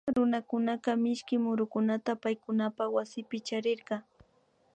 Runakunaka mishki murukunata paykunapak waspi charirka